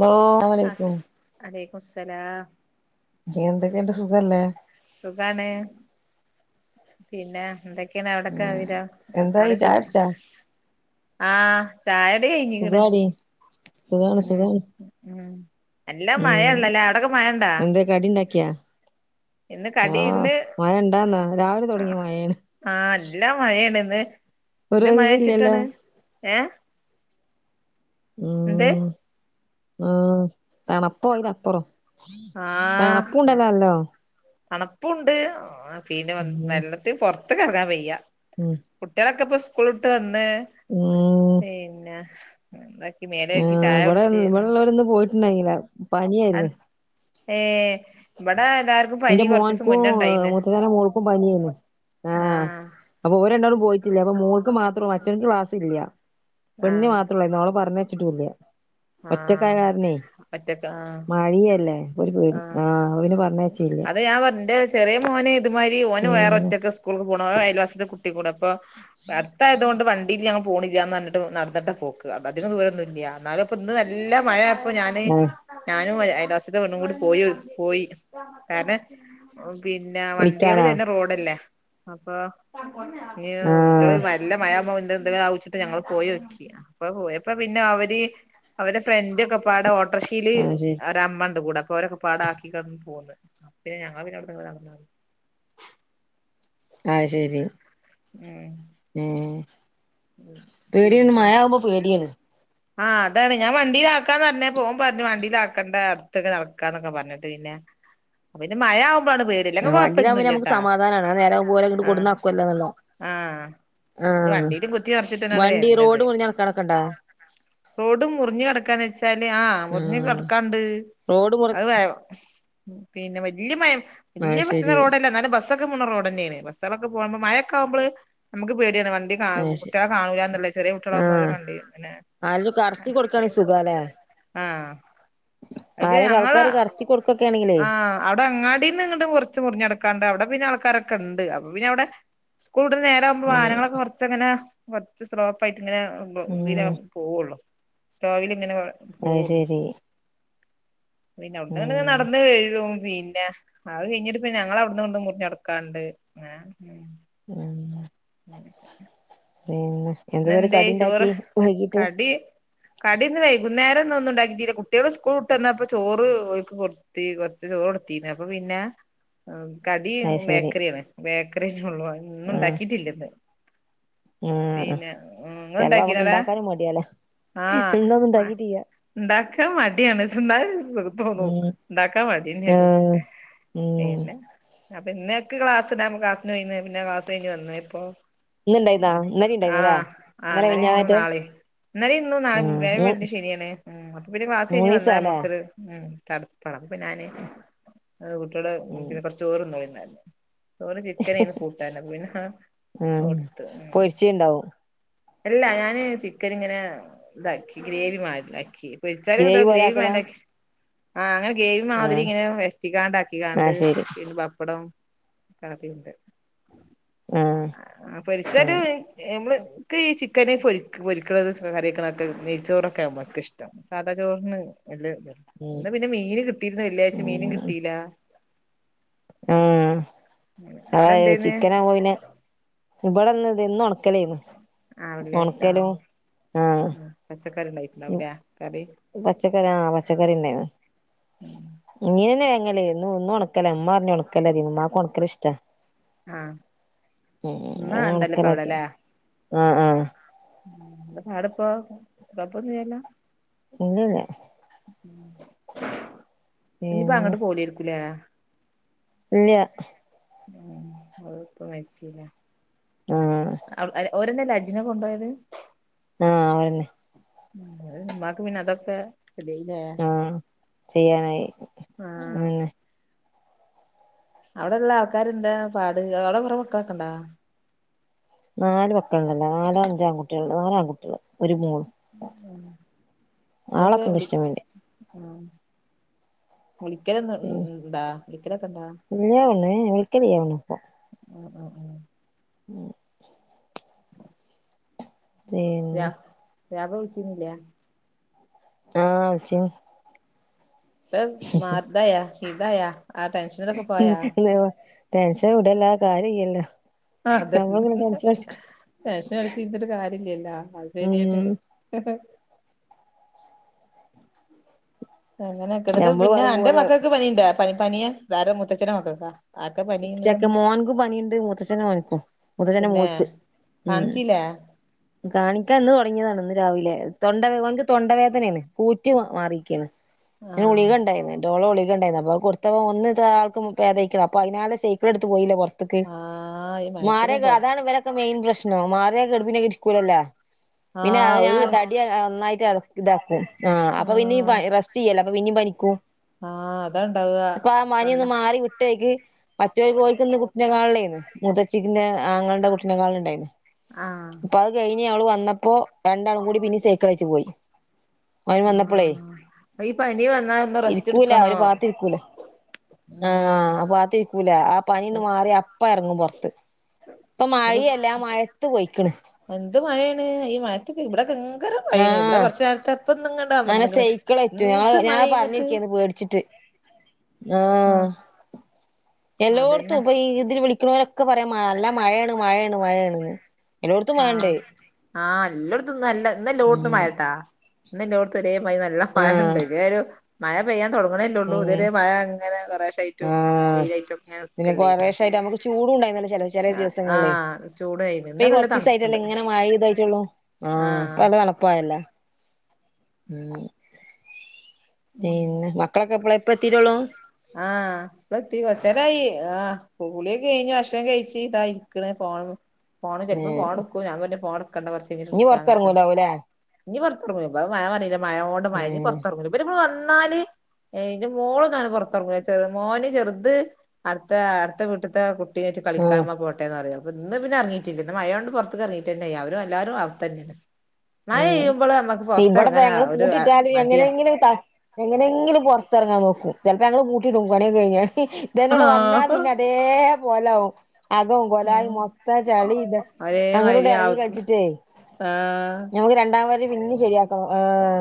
Law. അസ്ലമോലൈകും വലക്കുസ്സാലം എന്തൊക്കെണ്ട്. സുഖല്ലേ സുഖാണ്. പിന്നെ. എന്തക്കേ [unintelligible] [unintelligible] അവിടൊക്കെരാ എന്തായി അവിടെ സുഖ. ചായുടിച്ചാ ആഹ ചായ കുടി കയ്ഞ്ഞിക്ക്ണ്. സുഖാടി സുഖാണ് മ്മ്. സുഖാണ് മ്മ് അല്ലാ. ഉം മഴേള്ളലേ. അവിടക്കെ മഴണ്ടാ എന്തേ ഇന്ന് കടി ഓഹ്. ഇന്ന് മഴ ഇണ്ടന്നാ. രാവിലെ തൊടങ്ങിയ മഴേണ് ആഹ. ല്ലമഴേണ് ഇന്ന്. ഒരു എന്ത് ഒഴിവില്ലല്ലോ മയെചിട്ടാണ് ഉം. ആ. തണപ്പൊ. അയിനപ്പൊറം ആഹ് തണപ്പൂണ്ടല്ലോ നല്ലോം തണുപ്പുണ്ട് പിന്നെ. ഉം വെള്ളത്തി പൊറത്‌ക്കെറങ്ങാൻ. വയ്യ ഉം കുട്ടിളൊക്കെപ്പൊ സ്കൂള്ട്ട് വന്ന് ഉം പിന്നെ. എന്താക്കി മേലകി ചായൊടിച്ച്. ണ്ടയില. പനിയെര്ന്ന്. ഏഹ് ഇവിടെ എല്ലാർക്കും ഇന്റെ പനി കൊറച്ചീസം മോൻക്കും മുന്നേ ഇണ്ടായിന്ന് മൂത്തഛന്റെ മോൾക്കും. പനിര്ന്ന്. ആഹ ആഹ് അപ്പൊ ഓര് രണ്ടാളും പോയിട്ടില്ല്യ അപ്പൊ മോൾക്ക് മാത്രം മറ്റോൻക് ക്ലാസ് ഇല്ല്യ. പെണ്ണിൻ ആഹ് മാത്രള്ളൂയിരുന്നു. ഓളെ പറഞ്ഞയച്ചിട്ടുല്ല്യ. ആഹ് ഒറ്റക്കായകാരനെ ഒറ്റക്ക് ആഹ് മഴീഅല്ലേ. ഒരു പേടി ആഹ് അപ്പോ പിന്നെ പറഞ്ഞയച്ചീല്ല്യ. അത് ഞാൻ വോ. ന്റെ ചെറിയ മോന്ഇത് മായിരി ഓന് വേറെ പിന്നെ ഒറ്റക്കാ സ്കൂളക് പോണ്. ഓൻ അയൽവാസിത്തെകു കൂടെ ഇപ്പൊ അട്ത്തായതോണ്ട് വണ്ടി വണ്ടി ഇല്ലെങ്കി ഞാൻ പോണില്ല്യന്ന്ർഞ്ഞിട്ട്. നടന്നട്ട പോക്ക് അത്ധികം ദൂരൊന്നുല്ല്യ ന്നാലും ഇപ്പോ ഇന്ന് നല്ല മഴ അപ്പൊ ഞാന് ആഹ് ഞാനും അയൽവാസിത്തെ പെണ്ണും കൂടി പോയി പോയി കാരണെ പിന്നെ വണ്ടയാള് വിളിക്കാനാ വര്ണ റോഡല്ലേ അപ്പൊ ഇ കുട്ടിള് ആഹ് വല്ല മയാവുബോ ന്ത് എന്തെങ്കിലും. ആവൂച്ചിട്ട്. ഞങ്ങള് പോയോക്കി അപ്പ. പോയപ്പ പിന്നെ അവര് അവന്റെ ഫ്രണ്ട് ഒക്കെ പാടെ ഓട്ടോർഷ യില്. ആഹ് ശരി ഓരമ്മണ്ട് കൂടെ അപ്പൊ ഓരൊക്കെ പാടാക്കി കാണ്ട് പോന്ന്. അപ്പ പിന്നെ ഞങ്ങൾ പിന്നെ അവിടെന്ന് നടന്ന് വന്ന് അഹ് ശെരി ഉം ഏഹ് ഉ പേടിയാണ് പിന്നെ മഴയാവുമ്പോ പേടിയാണ് ആഹ് അതാണ് ഞാൻ വണ്ടിയില ആക്കാന്ന് പറഞ്ഞ ഓൻ പറഞ്ഞ് വണ്ടിയിലാക്കണ്ട അടുത്ത്ക്ക് നടക്കാന്നൊക്കെ പറഞ്ഞിട്ട് പിന്നെ പിന്നെ മഴ ആവുമ്പാണ് പേടി ആ ഇല്ലെങ്കി വണ്ടിലാകുമ്പം പിന്നെ നമുക്ക് കൊഴപ്പൊന്നുല്ലട്ടാ സമാധാനാണ് ആ നേരം ആകുമ്പോ ഓരെ ഇങ്ങട്ട് ആഹ് കൊണ്ടുന്ന് ആക്കുല്ലോ ന്ന് ള്ള ആഹ് ഇത് ആഹ് വണ്ടിയില് കുത്തി മറിച്ചിട്ടന്നെയാണ് വണ്ടി വരണത് റോഡ് മുറിഞ്ഞടക്കാനോക്കെണ്ടാ റോഡ് മുറിഞ്ഞു കെടക്കാന്നെച്ച ശല ആ മുറിഞ്ഞ് ആഹ് കിടക്കാണ്ട് റോഡ് മുറി അത് വേ പിന്നെ വല്യയ മയ അത് വല്യയ വരുന്ന ശരി റോഡല്ല എന്നാലും ബസ്സൊക്കെ പോണ റോഡ് തന്നെയാണ് ബസുകളൊക്കെ പോകുമ്പോ മഴ കാവുമ്പള് നമുക്ക് പേടിയാണ് വണ്ടി അത് കാണു ശരി കുട്ടളെ കാണൂല്ല ചെറിയ കുട്ടള ആകുമ്പോ അവര് ആഹ് കണ്ടി പിന്നെ ആരേലും കടത്തി കൊടുക്കാണെങ്കി ആഹ് പക്ഷെ ആരെങ്കിലും ഞങ്ങള് ആൾക്കാര് കറക്കി കൊടുക്ക ആഹ് അടെ അങ്ങാടീന്ന് ഇങ്ങട്ട് കൊറച്ച് മുറിഞ്ഞെടക്കാണ്ട് അവിടെ പിന്നെ ആൾക്കാരൊക്കെ ഉണ്ട് അപ്പൊ പിന്നെ അടെ സ്കൂള് ഡ്നെ നേരവു ഉം വാനങ്ങളൊക്കെ കൊറച്ചങ്ങനെ കുറച്ച് സ്ലോപ്പ ആയിട്ട് ഇങ്ങനെ ഇതില ഉം പോവുള്ളു സ്റ്റോവിലി ഇങ്ങനെ വ അഹ് ശരി പിന്നെ അവുട്ന്ന്ങ്ങട് ഉം നടന്ന് കഴും പിന്നെ അത് കയിഞ്ഞിട്ട് പിന്നെ ഞങ്ങള അവിടന്നഇവടന്ന് മുറിഞ്ഞടക്കാണ്ട് ഉം അങ്ങനെക്കന്ന പിന്നെ എന്തുവരെ കടി ണ്ടാക്കി വൈകീട്ട് കടിന്ന് വൈകുന്നേരം ഇന്ന് ഒന്നുംണ്ടാക്കിട്ടില്ല കുട്ടികള് സ്കൂള്ട്ടന്നപ്പോ ചോറ് ഒർക്ക്‌ കൊട് ത്തി കൊറച്ച് ചോറൊട്ത്തിന്ന് അപ്പൊ പിന്നെ കടി അത് ശരി ബേക്കറിയാണ് ബേക്കരിന്നെള്ളൂ ഒന്നും ആഹ് ണ്ടാക്കിട്ടില്ല ഇന്ന് ആഹ് പിന്നെ നിങ്ങ ചെലപ്പോ നമുക്ക് ഉണ്ടാക്കിനടാ ഉണ്ടാക്കാനും മടിയാല്ലേ ഇന്നൊന്നും ആഹ് ഉണ്ടാക്കിട്ടില്ല ണ്ടാക്കാ മടിയാണ്തിന്നഒരു സു ഉം [unintelligible] ഡാക്കാ മടിയന്നേത് ആഹ് ഉം പിന്നെ അപ്പ ഇന്നേക്ക് ക്ലാസ് ഡ ക്ലാസിന് പോന്ന് പിന്നെക്ലാസ് കഴിഞ്ഞ് വന്നു ഇപ്പോ ഇന്ന് ഇണ്ടായിന്ന ഇന്നലിം ഉണ്ടായിരുന്നല്ലേ ആഹ് ആ ഇന്നലെ അന്നലിം ഇന്നും മിഞ്ഞാന്നേറ്റെ നാളീം ഇന്നലിം ഇന്നും നാളീം ആഹ് വേയം മൂ വെള്ളി ശനിയാണ് ഉം അപ്പൊ പിന്നെക്ലാസ്സ് കഴിഞ്ഞ് വന്നാ മൂന്നീസാല്ലേ മ്മക്കൊരു ഉം തട- പടപ്പ ഞാന് ഏ കുട്ടിയട് ഉം പിന്നെ കൊറച്ചോറന്നളീം റിം ചോറ് ചിക്കനന്ന് കൂട്ടാന അപ്പോ പിന്നെ കൊടുത്ത് ഉം ണ്ടാവും അല്ല ഞാന് ചിക്കന് ഇങ്ങനെ ഇതാക്കി ഗ്രേവി മാരിക്കി വിച്ചല്ത പോലെ ഗ്രേവി ആക്കലാ മാന്റാ ആഹ് അങ്ങനെ ഗ്രാവിമാതിരി ആഹ് ഇങ്ങനെ വരട്ടിക്കണ്ടാക്കികണ്ട് ആഹ് ശരി പപ്പടം കളണ്ട് ആഹ് ആ പൊരിച്ചത് ഉം നമ്മൾക്ക് ഈ ചിക്കന് പൊ പൊരിക്കണ കറിക്കണൊക്കെ നെയ്ച്ചോറൊക്കെ നമ്മക്ക് ഇഷ്ടം സാദാ ചോറിന്ന് വല്യതില്ല ഉം ഇന്ന് പിന്നെ മീന് കിട്ടിയിര്ന്നു വെള്ളിയാഴ്ച മീനും കിട്ടിയില ആ അവിടെ അത എന്തേന്ന് ചിക്കനാബ പിന്നെ ഇവിടെന്ന് ഇത് ഇന്ന് ഒണക്കലോയിരുന്നു ആഹ് വെള്ളിയാഴ്ച്ച ആ ആഹ് പച്ചക്കറിണ്ടായിട്ടണ്ടാവുളേ കറി പച്ചക്കറി ആ പച്ചക്കറിന്നെയാണ് ഇങ്ങനെന്നെ വേങ്ങല്ലേന്ന് ഒന്നും ഉണക്കല ഉമ്മ പറഞ്ഞു ഉണക്കലതിന്ന്ഉമ്മാക്ക് ഉണക്കല് ഇഷ്ടാ ആഹ് ഏ ഉമ്മ ങ്ങളിന്നെ ഉണ്ടല്ലോ ഇപ്പ ഉണക്കലൊക്കി ആഹ് ആഹ് ന്താ പാട് പ്പോ കൊഴപ്പോന്നൂല്ലല്ലോ ഇല്ല ല്ല ഞപ്പോ പിന്നെ അങ്ങോട്ട് പോയിലേര്ക്കും ല്ലേ ഇല്ല്യ [unintelligible] മരിച്ചിലേ ആ ഓലെന്നല്ലേ ഹജ്ജിന് കൊണ്ടോയത് ആ അയന്നെ മ്മാക് പിന്നെതൊക്കെ [unintelligible] ആ ചെയ്യാനായി ആ അങ്ങനെ അവിടെള്ള ആൾക്കാാര് എന്താ പാട് അവടെ കൊറെ മക്കളെക്കണ്ടാ നാല് മക്കളുണ്ടല്ലോ നാലാം അഞ്ചാംകുട്ടികള നാലാൻകുട്ട്യാൾ അതിപ്പോ ആളൊക്കെ ഇണ്ട് വിളി ഇഷ്ടം പോലെ ആ വിളിക്കല ഉം ഉം ണ്ടാ വിളിക്കലൊക്കെ ഇണ്ടാ ഇല്ല്യ ഓണ് വിളിക്കലിയ ഒണ് പ്പൊ മ്മ് മ്മ് മ്മ് ഉ രാ പിന്നെ [unintelligible] ആ വിളിചിനി മാറതാ [unintelligible] [unintelligible] ടെൻഷൻ വിടല്ല ല്ലാതെ കാര്യല്ലല്ലൊ ആ അതന്നേ ടെൻഷൻ അടിച്ചരുന്നട്ടരു കാര്യല്ലല്ലോ അത് ശരിയാട്ട് ഉം [unintelligible] അങ്ങനെക്കേ ഞമ്മള് പിന്നെ പറയും അന്റെ പോലെ മക്കക്ക് പനിണ്ടാ പ പനിയ വേറെ മുത്തച്ഛൻന്റെ മക്കക്കാ ചക്ക മോൻകും പനിയുണ്ട് മുത്തച്ഛനെ മോനക്കും മുത്തച്ഛന മോൾക്ക് ഉം കാണ്ചില്ലേ കാണിക്കാൻ ഇന്ന് തുടങ്ങിയതാണ് ഇന്ന് രാവിലെ തൊണ്ടവേ അവനക്ക് തൊണ്ടവേദനയാണ് കൂറ്റ് മാറിയിക്കാണ് ആ ഗുളിക ഉണ്ടായിരുന്നു ന്റൊള ഗുളിക ഉണ്ടായിരുന്നു അപ്പ കൊടുത്ത ഒന്ന് താ ആള്ക്ക്‌ ഭേതയിക്ക്ണ് അ പയ്നാല് സൈക്കിൾടുത്ത് പോയില്ലേ പൊർത്ക്ക് ആ ഈ മാരെ മഴത്തൊക്കെ പൊറ അതാണ് വരെ മെയിൻ പ്രശ്നോ മാറിയകെടുപ്പിനെ രിക്കൂലലൊ ആ പിന്നെ അതിന ഒരു തടി നന്നായിട്ട് ഇതാക്ക് ആ അപ്പൊ ആ പിന്നിം റസ്റ്റ്യ്യല്ലേ അപ്പൊ പിന്നിം പനിക്കും ആ അതണ്ടാവാ തൊണ്ട ട്ടേഖ് മറ്റെർകോര്ക്ന്ന് ഓല്ക്ക് കുട്ടിനെ കാന്ളെർന്ന് മൂതച്ചിന്റെ ആങ്ങൽടെ കുട്ടിനെകാണൽണ്ടായിരുന്നു ആ പ്പൊ അഹ് കഴിഞ്ഞ് അവള് വന്നപ്പോ രണ്ടാലും കൂടി പിന്നിം സേക്കളേറ്റ് പോയി അവന് വന്നപ്പളെയ് ആഹ് ഈ പനി വന്നാ ഒന്ന് റെസ്റ്റ് ഇരിക്കൂല എടുക്കണോ ഒരു പാത്തിരിക്കൂല ആ ഉം അപ്പാത്തി ക്കൂല ആ പനിന്ന് മാറിയാ അപ്പ അറങ്ങും പൊർത്ത് പ്പൊ മഴിയല്ലെ മഴത്ത് പൊയ്ക്കണ് എന്ത് മയെണ് ഇ മഴ ബടെ ഗ്ര മഴയെണ് വടെ ആഹ് കൊറച് നേരത്തെ ഇപ്പൊന്ന്ങ്ടെ അങ്ങനെ അമർന്ന്ക്ൻ ന്ത് മഴണ്ത് ച്ചിട്ട് ആ ആഹ് എല്ലോട്ത്തും അതന്നെ ഉപ ഇതിൽ വിളിക്ക്ണോ രൊക്കെ പറയാ മല്ല മഴയെണ് മഴയെ ണ് മഴയെണ്ന്ന് എലൊട്തും മഴണ്ട് ആ ല്ലോട്ത്തും നല്ല ന്നല്ലോട്തും ഉം മയട്ടാ ന്നല്ലോടത്തും ഒരേമാരി നല്ല ആഹ് മഴണ്ട് ദേഒരു മഴ പെയ്യാൻ തൊടങ്ങ്നെൽ ള്ളൂ ഉം ഇതുവരെ മഴങ്ങനെ കൊറേശായിട്ടും ആഹ് വെയിലായിട്ടും ഒക്കെങ്ങനെക്കല്ലേന്ന ചൂടുണ്ടായിന്നല്ലോ ച ചെല ദിവസങ്ങള് ചൂടായിന് പ്പെ ഈ ഇന്നൊക്കെ നല്ല കൊറചീസാ ല്ല തണുപ്പുണ്ട് ങ്ങനെ മഴ തായിറ്റള്ളൂ ആ ആഹ് പ്പല്ല തണപ്പായലൊ മ്മ് പിന്നെ മക്കളൊക്കെ എപ്പള പ്പ എത്തീടട്ടൊള്ളൂ ആഹ് ഇപ്പള എത്തി കൊച്ചരായി ആഹ് കൂളിയക്കെകയിഞ്ഞു ഭക്ഷണം കഴിച്ചു ഇത ഇരിക്കണ ഫോൺ ഫോൺ ചിലപ്പോ പോണടുക്കും ഞാന് പറഞ് ഫോൺ എടുക്കണ്ട കുറ ഇഞ് പൊറത്തെ റങ്ങൂലാവുംല്ലെ ഇഞ് പൊറത്തിങ്ങുല ഇ പ്പഅ മയ പാറില്ലെ മഴോണ്ട് മഴ ഇ ഉം പുറത്തിറങ്‌ല ഇരിപ്പോ വന്നാല്ന്റെ മോളന്നാണ് പുറത്ത് ചെ മോന് ചെറുത് അടുത്ത അടുത്ത വീട്ടത്തെ കുട്ടീട്ട് കളിക്കാ ആഹ് പോട്ടേന്ന് പറിയോ അപ്പോ ഇന്ന് പിന്നെ എറങ്ങിട്ടില്ലന്ന് മഴ യോണ്ട് പുറത്തക്കെറങ്ങിട്ടെന്നെല്ല അവരെ എല്ലാറും അവ ഉം ഇവിടെ താ ങ്ങള് ഒരു കൂട്ടിട്ടാലും മടിയാ എങ്ങനെങ്ങനെ ങ്കി താ എങ്ങനെങ്കിലും പൊറതെറങ്ങാ നോക്കും ചെലപ്പോ ഞങ്ങള് കൂട്ടിടും പനിയൊക്കെ കഴിഞ്ഞാ ഇത് എന്നോട് വന്നാ ആഹ് പിന്ന തേ പോലആവും. അകവും കൊലായ് ഉം മൊത്തം ചളി ഇത അങ്ങടുട് ഇറങ്ങി കളിച്ചിട്ടേ ആഹാ നമുക്ക് രണ്ടാ വരി പിന്നെ ശരിയാക്കണം. ആഹാ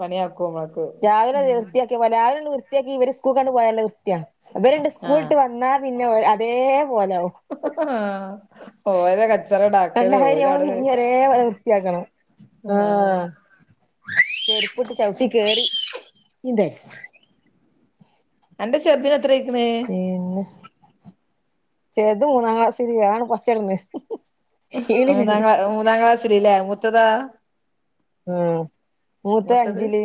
പണിയാക്കുംമ്മക്ക് രാവിലെ വൃത്തിയാക്കിയ പോലെ രാവില വൃത്തിയാക്കി ഇവരെ സ്കൂൾ കണ്ട് പോയല് വൃത്തിയാ. വര്ണ്ട് ആഹ് സ്കൂളിട്ട് വന്നാ പിന്നെ അതേ പോലാ വും ഹഹ ആ ഓര കച്ചറണ്ടാക്കല് ഓര്ട എ വൃത്തിയാക്കണം. ആഹ ചെരിപ്പുട്ട് ചവിട്ടി കേറി ഈന്ത് അന്റെ ചെർദിന്എത്രഅയിക്ക്ണ് പിന്നെ ചേർത് മൂന്നങ്ങളാസില് യാളണ് പച്ചട്ന്ന് ഹും മൂന്നാം ക്ലാ മൂന്നാം ക്ലാസില് ല്ലേ മുത്തതൊ? ഹും മൂത്തത് അഞ്ചില്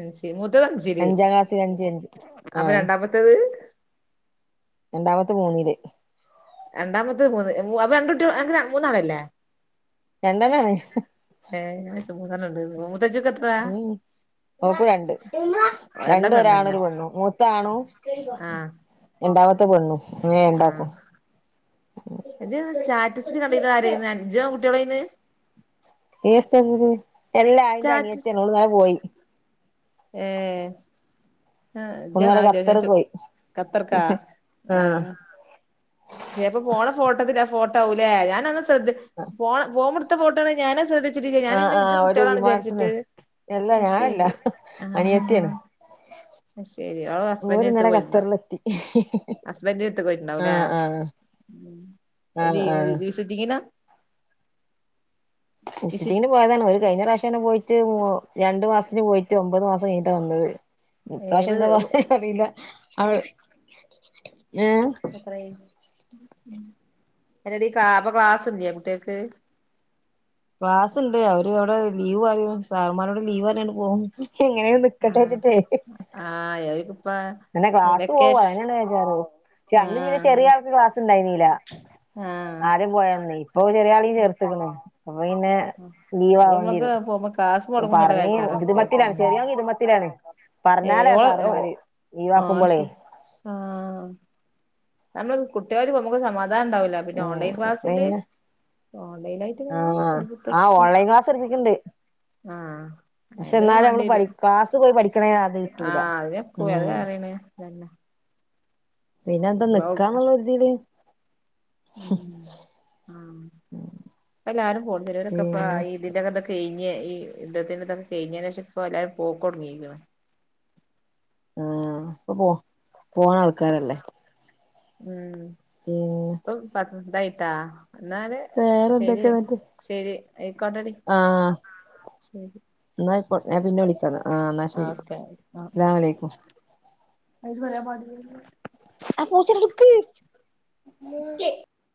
ഞ്ച് മുത്തത് അഞ്ചല് അഞ്ചാം ക്ലാസ്സില് അഞ്ച് അഞ്ച് അപ്പൊ ആഹ് രണ്ടാമത്തേത്? രണ്ടാമത്തെ മുന്നില് രണ്ടാമത് മൂന്ന് അപാ രണ്ട്ട്ടില് മൂന്നാണല്ലേ? രണ്ടനാണ് ഏ് ഞായർചു മൂന്നണംണ്ട് മൂത്തച്ചിക്ക് എത്രയാ ഓഹൊ ഓക് രണ്ട്. രണ്ടാക്കും രണ്ട്ഒരാണും രണ്ടെന്നെ ഓര്പെണ്ണും മൂത്താണും ആഹ് രണ്ടാമത്തെ പെണ്ണും അങ്ങനെ ഉണ്ടാക്കും. ജ്ന് സ്റ്റാറ്റസി കണ്ടിന്നത് ആരെന്ന്. ജോ ആകുട്ടിളയ്ന്ന്. എസ്റ്റ്റ്റസ് എല്ലാ അയിന്റെ സ്റ്റാറ്റസ് അനിയത്തിയാന് ഓൾന്നലെ പോയി യ്എ ആഹ ഇന്നലെ ഖത്തറ് [unintelligible] പോയി കത്തർക്ക ആഹ് ആഹ ചേൽപ്പോ പോണ ഫോട്ടോത്തില്ല ഫോട്ടോ ആവുംലേ ഞാന ശ്രദ്ധിച് പോണ് പോവുമ്പട്ത്ത ഫോട്ടോ ആണ് ഞാന ശ്രദ്ധിച്ച ച് ജ്ഞ ആഹ് ഞാന്ഇന്ന് ആഹ് ഇജും ഒരു കുട്ടികളാണ് വിചാരിച്ചിട്ട് വിമാനത്തിന്നെ അല്ല ഞാനല്ല ശരി ആ അടുത്ത് ഓര്ന്നലെ പോയിട്ടുണ്ടാവും ഖത്തറിലെത്തിഹിഹി ഹി ഹസ്ബൻഡിന്റെ അടുത്ത് ആഹ ആഹ് [unintelligible] ഇത് ഹ് ആഹ് വിസിറ്റിംങ്ങിനാ വിസിറ്റിംങ്ങിന് പോയതാണ്. ഒര് കഴി ഞ്ഞ റാവിശ്യങ്ങനെ പോയി റ്റു വോ രണ്ടു മാസത്തിന് പോയിട്ട് ഒമ്പത് മാസം കെയിഞ്ഞിട്ട വന്നത്. ഇപ്രാശ്യം എന്താ പറ അറിയില്ല അവ ഏ എലടി കാ പ്പൊ ക്ലാസ്ല്ല്യ കുട്യൾക്ക്. ക്ലാസ്ണ്ട് അവര് അവിടെ ലീവ് പറിയും. സാർമാരോട് ലീവ് അറഞ്യാണ്ട് പോവും എങ്ങനെണ്ട് ആഹ് ക്കട്ടയിച്ചിട്ട് ഹേ ആഹ് യാരികും എന്നെ ക്ലാസ് പോവും അയിനെ വേജാറ്. ക്ഷെ അന്ന് പിന്നെ ചെറിയ ആഹ് ആൾക്ക് ക്ലാസ്ണ്ടായിന്നില. ആഹ് ആദ്യം പോയന്ന്. ഇപ്പൊ ചെറിയാളിം ചേർത്തക്കണ് അപ്പൊ പിന്നെ ലീവ് അപ്പൊ നമ്മക്ക് ആവേണ്ടിരും പോകുമ്പോ ക്ലാസ് സ മുടങ്ങുന്നുള്ള ബേജാറാ പറഞ്ഞിന്ന് ഇത് കുട്ടികൾക്ക് മത്തിലാണ്. ഉം ചെറിയോൻ ഇത് മത്തിലാ ണ്. പറഞ്ഞാലേ സാറമാര് ആഹ ശിഫ് ആഹ നമ്മള് കുട്ട്യല് വെക്ക്മ്പോസമാധാനം ഉണ്ടാവുല്ല. പിന്നെ ഉം ഓൺലൈൻ ക്ലാസ്സില് ഓൺലൈനായിട്ട് ഇങ്ങനെ ആഹ ഒരു ആ ഓൺലൈൻ ക്ലാസ് എട്തിട്ട് ണ്ട് ആഹാ ക്ഷെന്നാലും നമ്മള് പ ക്ലാസ് പോയി പഠിക്ക്ണ് അത് കിട്ടൂല്ല. ഓലന്നാറിന് പിന്നെ എന്താ നക്കാന്നുള്ള രീതില് ആ എല്ലാരും പിന്നെ പോടുനരുഇപ്പആയി ഇതിന്റെക്കെ ഇക്ക കഴിഞ്ഞ് ഈ ഇധത്തിന്റെതൊക്കെ കഴിഞ്ഞെ എല്ലാവരും പോക്കൊടുങ്ങിണം ആഹ അപ്പ പോ പോണ ആൾക്കാരല്ലേ ഉം പി പാ [unintelligible] ട്ടാ എന്നല് വേറെന്തൊക്കെയ മറ്റേ ആയിക്കോട്ടടി ആഹ ശരി എന്നക്ക ഞാൻ പിന്നെ വിളിക്കാന്ന് ആ എന്നാൽ ശരി ഓക്കെ അസലാം വലക്കും അയിത് പറയാ പാട ആ പൂച്ച എടുക്ക്